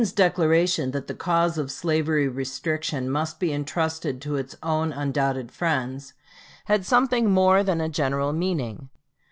Lincoln's declaration that the cause of slavery restriction "must be intrusted to its own undoubted friends" had something more than a general meaning.